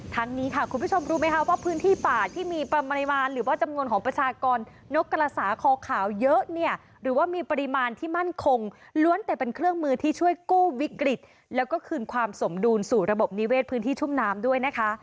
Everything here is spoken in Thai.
ทั้งนี้ค่ะคุณผู้ชมรู้ไหมคะว่าพื้นที่ป่าที่มีปริมาณหรือว่าจำนวนของประชากรนกกระสาคอขาวเยอะเนี่ยหรือว่ามีปริมาณที่มั่นคงล้วนแต่เป็นเครื่องมือที่ช่วยกู้วิกฤตแล้วก็คืนความสมดุลสู่ระบบนิเวศพื้นที่ชุ่มน้ำด้วยนะคะ